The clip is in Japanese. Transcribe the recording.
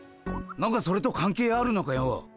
なんかそれとかん係あるのかよ。